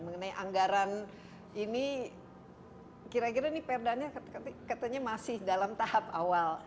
mengenai anggaran ini kar kebanyakan perda masih dalam tahap awal